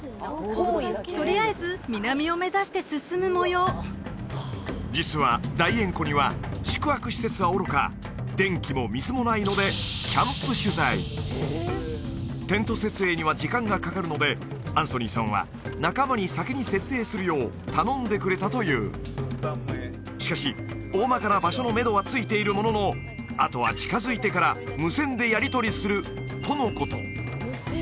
とりあえず南を目指して進むもよう実は大塩湖には宿泊施設はおろか電気も水もないのでテント設営には時間がかかるのでアンソニーさんは仲間に先に設営するよう頼んでくれたというしかし大まかな場所のめどはついているもののあとは近づいてから無線でやりとりするとのこと